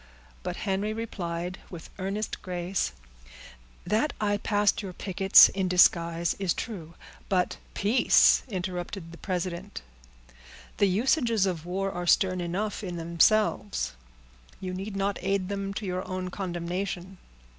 But Henry replied, with earnest grace,— "That I passed your pickets in disguise, is true; but—" "Peace!" interrupted the president. "The usages of war are stern enough in themselves; you need not aid them to your own condemnation."